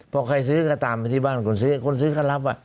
พอใครซื้อก็ตามไปที่บ้านคนซื้อคนซื้อก็รับ